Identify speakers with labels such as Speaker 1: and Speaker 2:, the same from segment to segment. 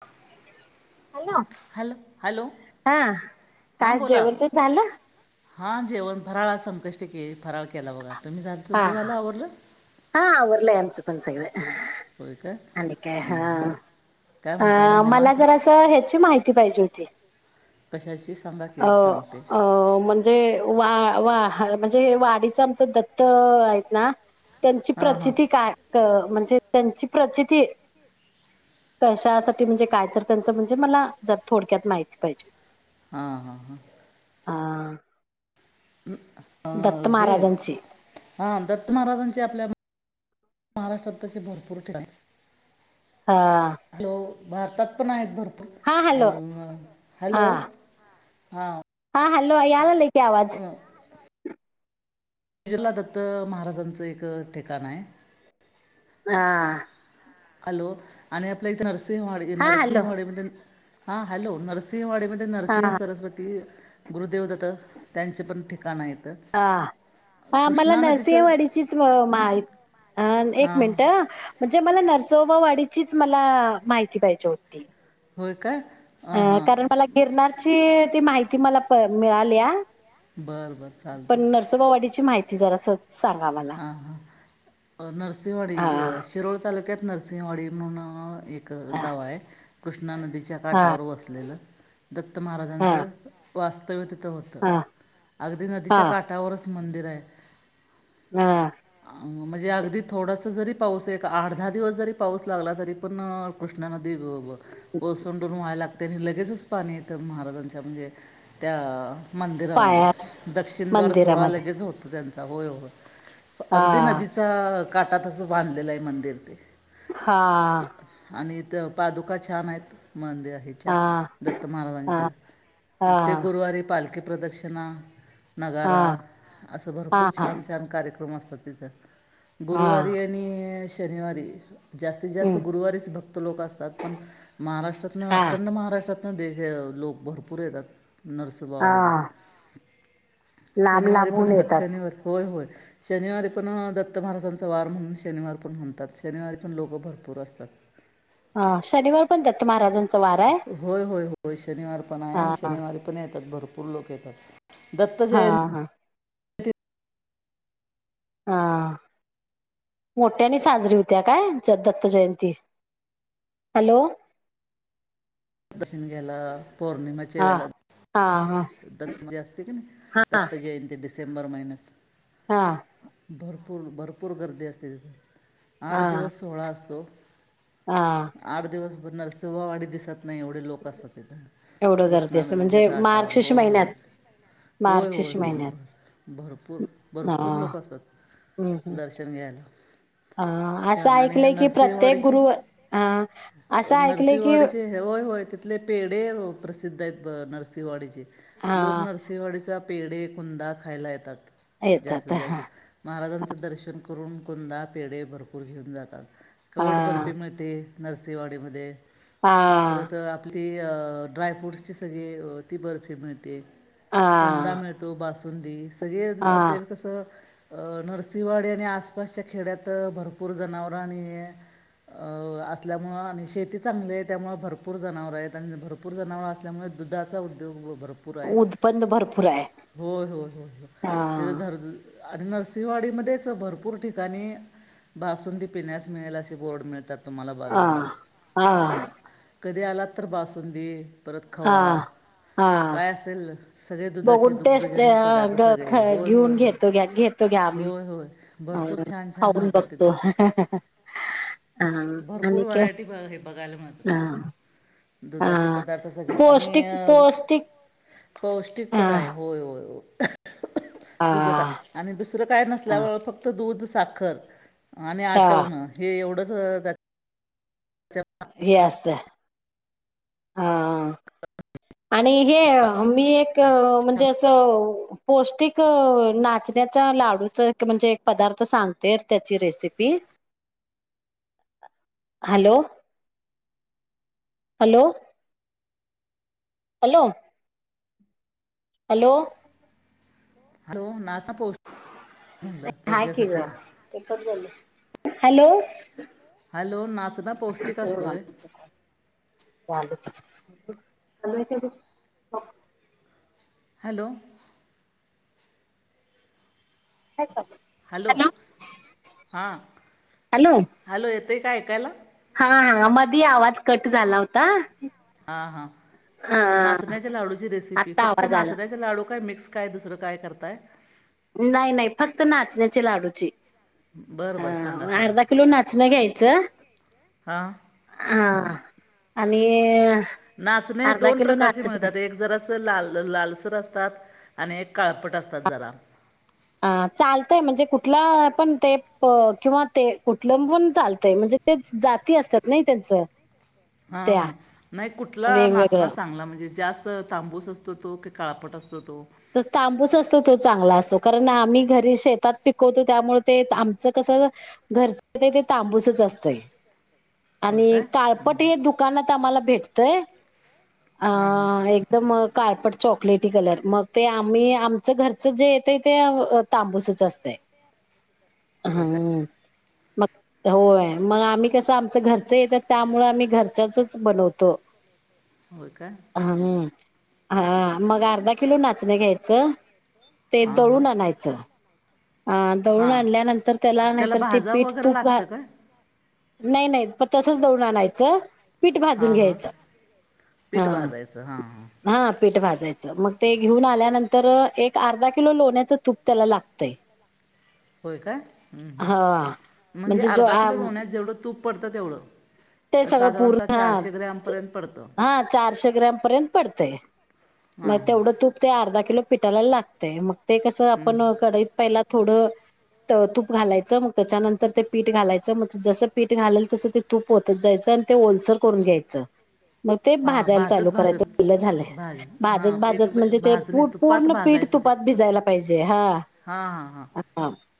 Speaker 1: [unintelligible] Hello
Speaker 2: hello hello
Speaker 1: हा काय जेवण तेन झालं
Speaker 2: हा जेवण फराळा संकष्टी केेलई फराळ केला बघा तुम्ही झा
Speaker 1: हा
Speaker 2: तुमच झालं आवरल
Speaker 1: हा आवरलंय आमचं पण सगळं
Speaker 2: होय का
Speaker 1: आणि काय
Speaker 2: हं, हं. काय म्हणताय ना
Speaker 1: अ मला
Speaker 2: निवांत
Speaker 1: जर असं ह्याची माहिती पाहिजे होती
Speaker 2: कशाची सांगा की
Speaker 1: अ
Speaker 2: सांगते
Speaker 1: अ म्हणजे वा वा ह म्हणजे हे वाडीचं आमचं दत्त आहेत ना त्यांची
Speaker 2: हां हां
Speaker 1: प्रचिती काय म्हणजे त्यांची प्रचिती कशासाठी म्हणजे काय तर त्यांचं म्हणजे मला जर थोडक्यात माहिती पाहिजे होती
Speaker 2: हा हा हा
Speaker 1: अ
Speaker 2: अ
Speaker 1: दत्त
Speaker 2: हे
Speaker 1: महाराजांची
Speaker 2: हा दत्त महाराजांचे आपल्या महाराष्ट्रात तचे भरपूर ठिकाण
Speaker 1: हा
Speaker 2: हॅलो भारतात पण आहेत
Speaker 1: हॅलो
Speaker 2: भरपूर
Speaker 1: हा
Speaker 2: हॅलो हा
Speaker 1: हा हॅलो यालाले कि आवाज
Speaker 2: शजुला दत्त महाराजांचं एक ठिकाण आहे
Speaker 1: हा
Speaker 2: हॅलो आणि आपल्या इथे नरसिंहवाडी
Speaker 1: हा हॅलो
Speaker 2: नरसिंहवाडी म्हणजे हा हॅलो नरसिंहंवाडी नरसिंह
Speaker 1: हा
Speaker 2: सरस्वती गुरुदेव दात त्यांचे पण ठिकाण आहेत
Speaker 1: ह हा मला
Speaker 2: कृष्णा नदीचं
Speaker 1: नरसिंवाडीचीच माहिती अ एक
Speaker 2: हां हां
Speaker 1: मिनिट म्हणजे मला नरहिं नरसोबावाढीचीच मला माहिती पाहिजे होती
Speaker 2: होय काय
Speaker 1: अ
Speaker 2: हां हां
Speaker 1: कारण मला गिरनची ती माहिती मला मिळाली या
Speaker 2: बरं बरं चालतं
Speaker 1: पण नरसोबावाडीची माहिती जरा सत
Speaker 2: हा हा नरसिंहवाडी
Speaker 1: हा
Speaker 2: शिरोळ तालुक्यात नरसिंहवाडी म्हणून एक
Speaker 1: हा
Speaker 2: गाव आहे कृष्णा नदीच्या
Speaker 1: हा
Speaker 2: काठावर वसलेलं दत्त
Speaker 1: हा
Speaker 2: महाराजांचं वास्तव्य तिथं होतं
Speaker 1: हा
Speaker 2: अगदी
Speaker 1: हा
Speaker 2: नदीच्या काठावरच मंदिर आहे
Speaker 1: हा
Speaker 2: म्हणजे अगदी थोडासं जरी पाऊस एक आठ दहा दिवस जरी पाऊस लागला तरी पण कृष्णा नदी बर ओसंडून व्हायला लागते आणि लगेचच पाणी येतं महाराजांच्या म्हणजे त्या मंदिरामध्ये
Speaker 1: पायास
Speaker 2: दक्षिणद्वार सोहळा
Speaker 1: मंदिरामध्ये
Speaker 2: लगेच होतो त्यांचा. होय होय.
Speaker 1: हा
Speaker 2: अगदी नदीचा काटातचं बांधलेलंय मंदिर ते.
Speaker 1: हा.
Speaker 2: त पादुका छान आहेत. मंदिर
Speaker 1: हा
Speaker 2: हेच्या.
Speaker 1: हा
Speaker 2: दत्त
Speaker 1: हा
Speaker 2: महाराजांच्या प्रत्येक
Speaker 1: हा
Speaker 2: गुरुवारी पालखी प्रदक्षिणा, नगारा
Speaker 1: हा
Speaker 2: असं भरपूर
Speaker 1: हा
Speaker 2: छान रम असतात तिथं. गुरुवारी
Speaker 1: हा
Speaker 2: आणि शनिवारी जास्तीत जास्त
Speaker 1: हम्म,
Speaker 2: गुरुवारीच भक्त लोक असतात. पण महाराष्ट्रातन,
Speaker 1: हा
Speaker 2: अखंड महाराष्ट्रात देश लोक भरपूर येतात
Speaker 1: हा
Speaker 2: नरसोबावाडीला.
Speaker 1: लांब
Speaker 2: शनिवारी पण
Speaker 1: लांबून
Speaker 2: येतात. शनिवार होय होय. शनिवारी पण दत्त महाराजांचा वार म्हणून शनिवार पण म्हणतात. शनिवारी पण लोकं भरपूर बसतात.
Speaker 1: हा शनिवार पण दत्त महाराजां
Speaker 2: होय-होय-होय. शनिवार पण हाय
Speaker 1: हा
Speaker 2: आणि
Speaker 1: हा
Speaker 2: शनिवारी पण येतात. भरपूर लोकं येतात. दत्त
Speaker 1: हा
Speaker 2: जयं
Speaker 1: हा हा. मोठ्यानी साजरी होत्या काय? ज दत्त जयंती. हॅलो!
Speaker 2: दशिणग्याला, पौर्णिमाच्या
Speaker 1: हा
Speaker 2: वेळेला
Speaker 1: हा हा
Speaker 2: दत्त जे असते कने,
Speaker 1: हा
Speaker 2: दत्त जयंती डिसेंबर महिन्यात
Speaker 1: हा.
Speaker 2: भरपूर भरपूर गर्दी असते तिथं.
Speaker 1: हा
Speaker 2: आठ दिवस सोळा असतो.
Speaker 1: हा
Speaker 2: आठ दिवस बनणार, सवावाढ दिवसत नाही एवढे लोक असतात तिथं.
Speaker 1: एवढं गर्दी
Speaker 2: कृष्णा
Speaker 1: असं
Speaker 2: नदीच्या
Speaker 1: म्हणजे
Speaker 2: काटावर,
Speaker 1: मार्गशीर्ष
Speaker 2: होय
Speaker 1: महिन्यात
Speaker 2: होय.
Speaker 1: मार्गशीर्ष
Speaker 2: होय-होय-होय.
Speaker 1: महिन्यात
Speaker 2: भरपूर
Speaker 1: हा
Speaker 2: भरपूर लोक
Speaker 1: हम्म
Speaker 2: असतात.
Speaker 1: हम्म
Speaker 2: दर्शन घ्यायला.
Speaker 1: हा असं
Speaker 2: छान आणि
Speaker 1: ऐकलंय की प्रत्येक
Speaker 2: नरसिंहवाडीचे
Speaker 1: गुरु हा असं ऐकलंय की
Speaker 2: नरसिंहवाडीचे हे ओ तिथले पेढ प्रसिद्ध आहेत नरसिंवाडीचे.
Speaker 1: हा
Speaker 2: लोक नरसिंवाडीचा पेढे, कुंदा खायला येतात
Speaker 1: येतात
Speaker 2: जास्तीत
Speaker 1: हा
Speaker 2: जास्त माहाराजांचं दर्शन करून कुंदा, पेढे भरपूर घेऊन जातात. कवट बरफी
Speaker 1: हा
Speaker 2: मिळते. नरसिंवाडीमध्ये.
Speaker 1: हा
Speaker 2: परत आपली ड्रायफ्रूट्सची सगळी ती बर्फी मिळते. कुंदा
Speaker 1: हा
Speaker 2: मिळतो. बासुंदी सगळे
Speaker 1: हा
Speaker 2: ते कसं नरसिंवाडी आणि आसपासच्या खेड्यात भरपूर जनावरं आणि अ असल्यामुळं आणि शेती चांगली आहे त्यामुळे भरपूर जनावरं आहेत आणि भरपूर जनावरं असल्यामुळे दुधचा उ ळ भरपूर आहे.
Speaker 1: उदबंद भरपूर आहे
Speaker 2: होय-होय-होय हो
Speaker 1: हा
Speaker 2: ते धर आणि नरसिंवाडीमध्येच भरपूर ठिकाणी बासुंदी पिण्यास मिळेल, अशी बोर्ड मिळतात. तुम्हाला
Speaker 1: ह
Speaker 2: बघायला
Speaker 1: हा.
Speaker 2: कधी आलात तर बासुंदी परत
Speaker 1: हा
Speaker 2: खवा
Speaker 1: हा
Speaker 2: काय असेल सगळे दुधाचे
Speaker 1: बघून टेस्ट
Speaker 2: दुग्धजन्य पदार्थ सगळे होय होय
Speaker 1: घेऊन
Speaker 2: हो
Speaker 1: घेतो
Speaker 2: होय होय.
Speaker 1: अ
Speaker 2: भरपूर छान छान
Speaker 1: खऊन
Speaker 2: मिळतात
Speaker 1: बघतो
Speaker 2: तिथं
Speaker 1: हह हाह.
Speaker 2: भरपूर व्हरायटी हे बघाय, हे बघायला
Speaker 1: ह
Speaker 2: मिळतात. दुधाचे
Speaker 1: ह
Speaker 2: पदार्थ सगळे
Speaker 1: पौष्टिक
Speaker 2: आणि
Speaker 1: पौष्टिक ह
Speaker 2: पौष्टिकपणाय होय होय होय.
Speaker 1: ह
Speaker 2: दुध काय आणि दुसरं काय नसल्यामुळं फक्त दूध, साखर आणि
Speaker 1: ह
Speaker 2: आटवणं हे एवढंच
Speaker 1: हे असतंय हा आणि हे मी एक म्हणजे असं पौष्टिक नाचण्याचा लाडूचं म्हणजे एक पदार्थ सांगते त्याची recipe hello hello hello hello
Speaker 2: hello, ना पो म्हणलं
Speaker 1: हाय की ग
Speaker 2: आरोग्यसाठी.
Speaker 1: ते कट झालं हॅलो
Speaker 2: नाचना
Speaker 1: अस
Speaker 2: पौष्टिक असतोय
Speaker 1: चाले ती
Speaker 2: हॅलो
Speaker 1: काय चाल
Speaker 2: हॅलो हां हॅलो येतंय का ऐकायला
Speaker 1: ह मध आवाज कट झाला होता
Speaker 2: हा हा नाचण्याच्या लाडूची रेसिपी
Speaker 1: आत्ता
Speaker 2: फक्त
Speaker 1: आवाज आला
Speaker 2: नाचण्याचे लाडू काय मिक्स काय दुसरं काय करताय
Speaker 1: नाही नाही फक्त नाचण्याचे लाडूची
Speaker 2: बरं बरं सांगा
Speaker 1: हा
Speaker 2: सांगा
Speaker 1: अर्धा किलो नाचणं घ्यायचं
Speaker 2: हां
Speaker 1: हा आणि
Speaker 2: नाचणे
Speaker 1: अर्धा
Speaker 2: दोन
Speaker 1: किलो
Speaker 2: प्रकारचे
Speaker 1: नाचणं
Speaker 2: मिळतात एक जरा अस लाल लालसर असतात आणि काळपट असतात जरा
Speaker 1: ह चालतय म्हणजे कुठे कुठला पण ते किंवा ते कुठलं पण चालतय म्हणजे ते जाती असतात नाही त्यां स
Speaker 2: हा हा नाही कुठला
Speaker 1: वेगवेगळं
Speaker 2: नाचण चांगला म्हणजे जास्त तांबूस असतो तो की काळापट असतो तो
Speaker 1: तर तांबूस असतो तो चांगला असतो कारण आम्ही घरी शेतात पिकवतो त्यामुळे ते आमचं कस घरच ते तांबूसच असतय
Speaker 2: होय
Speaker 1: आणि
Speaker 2: काय
Speaker 1: काळपट हे दुकानात आम्हाला भेटतय अ
Speaker 2: हां हां
Speaker 1: एकदम कारपट चॉकलेटी कलर मग ते आम्ही आमचं घरचं जे येतंय ते तांबूसच असत
Speaker 2: होय काय
Speaker 1: हम्म मग होय मग आम्ही कसं आमचं घरचं येतात त्यामुळे आम्ही घरच्याचच बनवतो
Speaker 2: होय काय
Speaker 1: हम्म हा मग अर्धा किलो नाचणे घ्यायचं ते
Speaker 2: हां हां
Speaker 1: दळून आणायचं अ दळून
Speaker 2: हां
Speaker 1: आणल्यानंतर त्याला नाहीतर ते
Speaker 2: भाजावं
Speaker 1: पीठ
Speaker 2: वगैरे
Speaker 1: तूप घा
Speaker 2: लागतं काय
Speaker 1: नाही नाही प तसच दौडन आणायचं पीठ भाजून
Speaker 2: हां हां
Speaker 1: घ्यायचं हा
Speaker 2: पीठ भाजायचं हां हां
Speaker 1: हा पीठ भाजायचं मग ते घेऊन आल्यानंतर एक अर्धा किलो लोण्याचं तूप त्याला लागतंय
Speaker 2: होय काय हम्म
Speaker 1: हा
Speaker 2: हम् म्हणजे
Speaker 1: जो
Speaker 2: अर्धा किलो
Speaker 1: आम
Speaker 2: लोहण्यात जेवढं तूप पडतं तेवढं
Speaker 1: ते सगळं
Speaker 2: साधारणतः
Speaker 1: पूर्ण हा
Speaker 2: चारशे ग्रॅमपर्यंत पडतं
Speaker 1: हा चारशे ग्रॅम पर्यंत पडते मग
Speaker 2: हां हां
Speaker 1: तेवढं तूप ते अर्धा किलो पिटायला लागते मग ते कसं
Speaker 2: हं.
Speaker 1: आपण कडईत पहिला थोडं तूप घालायचं मग त्याच्यानंतर ते पीठ घालायचं मग जस पीठ घालेल तसं ते तूप पोहतच जायचं आणि ते ओलसर करून घ्यायचं मग ते
Speaker 2: हां
Speaker 1: भाजायला चालू
Speaker 2: भाजत
Speaker 1: करायच
Speaker 2: भाजत
Speaker 1: फुलं झालं
Speaker 2: भाज हां
Speaker 1: भाजत
Speaker 2: एक
Speaker 1: भाजत
Speaker 2: ब-
Speaker 1: म्हणजे ते
Speaker 2: भाजणी तुपात
Speaker 1: पूर्ण पीठ
Speaker 2: भाजायचं ते
Speaker 1: तुपात भिजयला पाहिजे हा
Speaker 2: हां हां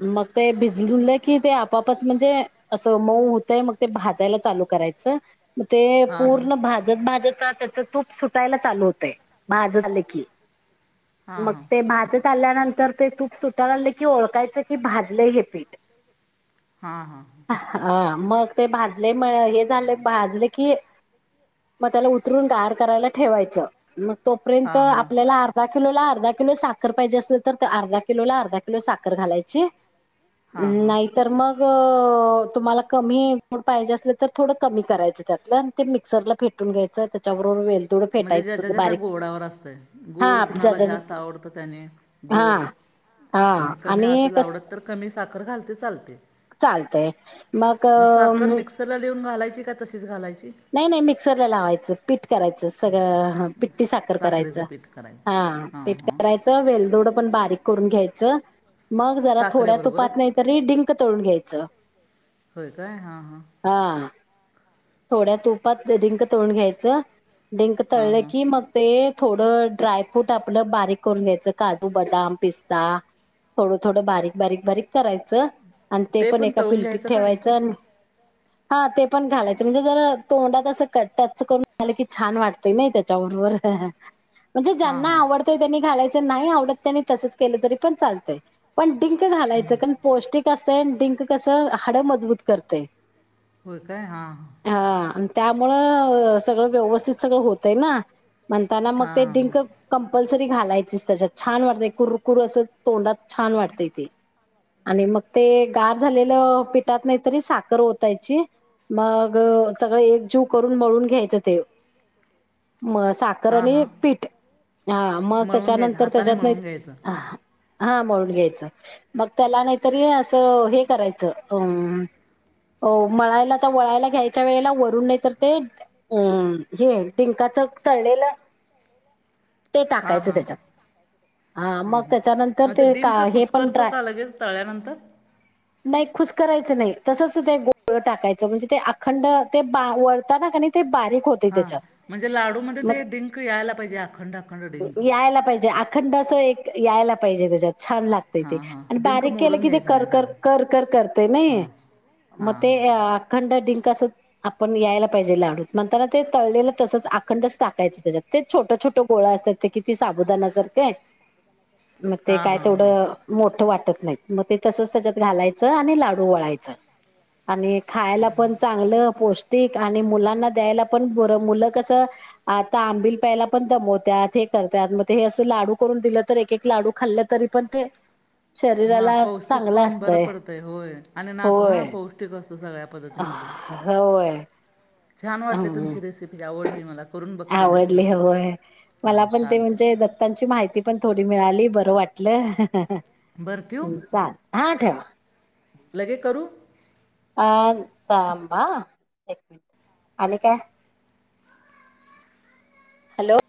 Speaker 1: मग ते भिजलं की ते आपापच म्हणजे असं मऊ होतंय मग ते भाजायला चालू करायच ते
Speaker 2: हां हां
Speaker 1: पूर्ण भाजप भाजप त्याच तूप सुटायला चालू होतयज की
Speaker 2: हां
Speaker 1: मग
Speaker 2: हां
Speaker 1: तेज चाल्यानंतर ते तूप सुटाय लाले की ओळखायचं की भाजलंय हे पीठ
Speaker 2: हा हा
Speaker 1: हा मग ते भाज झाले भाजले की मग त्याला उतरून गार करायला ठेवायचं तो पर्यंत
Speaker 2: हां हां
Speaker 1: आपल्याला अर्धा? अर्धा किलो ला अर्धा किलो साखर पाहिजे असल तर अर्धा किलोला अर्धा किलो साखर घालायची
Speaker 2: हां हां
Speaker 1: नाही तर मग तुम्हाला कमी. पाहिजे अस तर थोडं कमी करायचं त्यातलं त्मिक्सरला फेटून घ्यायचं त्याच्यावर वेलदोडे
Speaker 2: म्हणजे ज्याच्या
Speaker 1: फेटायचं
Speaker 2: ज्याच्या
Speaker 1: बारीक
Speaker 2: गोडावर असतंय
Speaker 1: हा
Speaker 2: गोड कुणाला जास्त आवडतं त्याने गोड आणि कमी असेल आवडत तर कमी साखर घालते चालते.
Speaker 1: चालतंय मग
Speaker 2: साखर मिक्सरला लिहून घालायची का तशीच घाल्याची
Speaker 1: नाही नाही मिक्सरला लावायचं. पीठ करायचं सगळं पिठीसाखर
Speaker 2: साखरेचं
Speaker 1: करायचं
Speaker 2: पीठ
Speaker 1: हा
Speaker 2: करायचं हां
Speaker 1: पीठ
Speaker 2: हां
Speaker 1: करायचं वेलदोड. पण बारीक करून घ्यायच मग जरा थोड्या तुपात
Speaker 2: साखरेबरोबरच
Speaker 1: नाही. तरी डिंक तळून घ्यायचं.
Speaker 2: होय काय हा हा.
Speaker 1: हा थोड्या तुपात डिंक तळून घ्यायचं डिंक
Speaker 2: हां
Speaker 1: तळलै
Speaker 2: हां
Speaker 1: कि मग ते थोडं ड्रायफूट आपलं बारीक करून घ्यायचं काजू बदाम पिस्ता थोडं थोडं बारिक बारिक बारिक करायचं. आणि ते पण एका
Speaker 2: तळून
Speaker 1: पिलटीत
Speaker 2: घ्यायचं का
Speaker 1: ठेवायचं हा ते पण घालायचं म्हणजे तोंडात अस क टच करून झालं की छान वाटतय नाही त्याच्याबरोबर. म्हणजे
Speaker 2: हां
Speaker 1: ज्यांना
Speaker 2: हां
Speaker 1: आवडतंय त्यांनी घालायचं नाही आवडतं त्यांनी तसंच केलं तरी पण चालतंय पण. डिंक घालायचं
Speaker 2: बरं.
Speaker 1: कारण पौष्टिक असंतय आणि डिंक कसं हाडं मजबूत करतेय.
Speaker 2: होय काय हा ह.
Speaker 1: हा आणी त्यामुळं सगळं व्यवस्थित सगळं होतंय ना म्हणताना मग ते
Speaker 2: हां
Speaker 1: डिंक कंपल. सरी घालायचीच त्याच्यात छान वाटत कुरकुर अस तोंडात छान वाटतंय ते आणि मग ते गार झालेलं पिठात नाही तरी साखर ओतायची मग. सगळे एकजीव करून मळून घ्यायचं ते. मग साखर
Speaker 2: हां हां
Speaker 1: आणि
Speaker 2: हां
Speaker 1: पीठ हा मग
Speaker 2: मळून घ्यायचं
Speaker 1: त्याच्यानंतर
Speaker 2: हाताने
Speaker 1: त्याच्यात नाही.
Speaker 2: मळून घ्यायचं
Speaker 1: हा मळून घ्यायचं मग त्याला नाहीतर असं हे करायचं. हो मळायला तर वळायला घ्यायचं. च्या वेळेला वरून नाही तर ते अ. हे डिंकाच तळलेलं ते
Speaker 2: हां
Speaker 1: टाकायचं
Speaker 2: हां
Speaker 1: त्याच्यात. हा
Speaker 2: हां
Speaker 1: मग
Speaker 2: हां
Speaker 1: त्याच्यानंतर
Speaker 2: अं,
Speaker 1: ते का
Speaker 2: डिंक
Speaker 1: हे पण
Speaker 2: कुस्करतो
Speaker 1: ड्राय
Speaker 2: का लगेच तळल्यानंतर
Speaker 1: नाही खुश करायचं नाही तसच ते गोळ टाकायचं म्हणजे ते अखंड ते बा वळताना कमी ते बा
Speaker 2: हा म्हणजे लाडूमध्ये ते डिंक यायला पाहिजे अखंड अखंड डिंक.
Speaker 1: थंड अस एक यायला पाहिजे त्याच्यात छान लागते ते
Speaker 2: हां हां
Speaker 1: आणि
Speaker 2: डिंक
Speaker 1: बारीक केलं
Speaker 2: मोडून
Speaker 1: कि ते
Speaker 2: घ्यायचा
Speaker 1: कर
Speaker 2: नाही
Speaker 1: कर
Speaker 2: सगळा
Speaker 1: कर कर करतय. नाहि
Speaker 2: हां
Speaker 1: मग
Speaker 2: हां
Speaker 1: ते
Speaker 2: हां
Speaker 1: अखंड डिंक. कसं आपण यायला पाहिजे लाडूत म्हणताना ते तळलेलं तसच आखंड टाकायचं त्याच्यात ते छोटे छोटे छोट गोळे असतात ते किती साबुदाना सारखे मग ते
Speaker 2: हां हां
Speaker 1: काय
Speaker 2: हां हां
Speaker 1: तेवढं मोठ वाटत. टत नाही मग ते तसच त्याच्यात घालायचं आणि लाडू वळायचं आणि खायला पण चांगलं पौष्टिक आणि मुलांना द्यायला पण बर मुलं कस आता आंबिल प्यायला पण दमत. त्यात हे करत्यात मग हे अस लाडू करून दिलं तर एक एक लाडू खाल्ले तरी पण ते
Speaker 2: म
Speaker 1: शरीराला
Speaker 2: पौष्टिक
Speaker 1: चांगलं
Speaker 2: पण बरं
Speaker 1: असतंय
Speaker 2: पडतंय होय आणि नाच ना पौष्टिक असतो सगळ्या पद्धती
Speaker 1: अ. होय,
Speaker 2: छान वाटले
Speaker 1: हम्म
Speaker 2: तुमची रेसिपी आवडली मला करून बघते नक्की
Speaker 1: आवडली होय मला
Speaker 2: हां
Speaker 1: पण ते म्हणजे
Speaker 2: चालतं
Speaker 1: दत्तांची माहिती पण थोडी मिळाली बरं वाटलं
Speaker 2: बरं ठेवू
Speaker 1: हा चाल हा ठेवा
Speaker 2: लगे करू
Speaker 1: अ थांबा एक मिनट आणि काय हॅलो